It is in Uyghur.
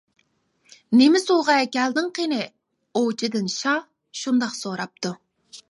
«نېمە سوۋغا ئەكەلدىڭ قېنى» ئوۋچىدىن شاھ شۇنداق سوراپتۇ.